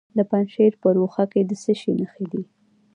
د پنجشیر په روخه کې د څه شي نښې دي؟